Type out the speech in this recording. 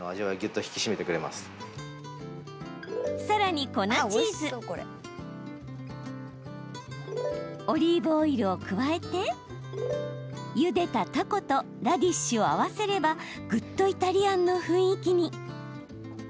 さらに、粉チーズオリーブオイルを加えてゆでたたことラディッシュを合わせればぐっとイタリアンの雰囲気に。